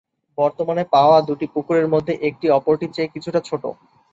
বর্তমানে পাওয়া দুটি পুকুরের মধ্যে একটি অপরটির চেয়ে কিছুটা ছোট।